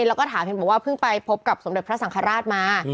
แล้วก็ถามเห็นบอกว่าเพิ่งไปพบกับสมเด็จพระสังฆราชมา